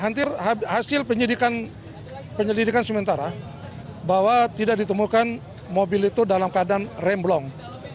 hampir hasil penyelidikan sementara bahwa tidak ditemukan mobil itu dalam keadaan remblong